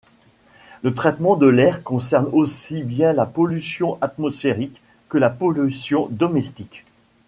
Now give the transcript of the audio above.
Le traitement de l'air concerne aussi bien la pollution atmosphérique que la pollution domestique.